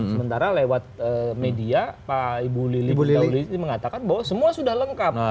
sementara lewat media pak ibu lili mengatakan bahwa semua sudah lengkap